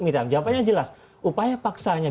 miram jawabannya jelas upaya paksanya